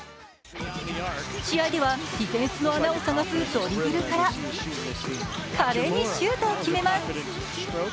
試合ではディフェンスの穴を探すドリブルから華麗にシュートを決めます。